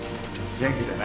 元気でな。